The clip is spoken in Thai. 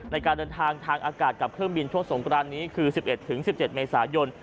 ในการเดินทางทางอากาศกับเครื่องบินช่วงสงกรานนี้คือ๑๑๑๑๗เมษายน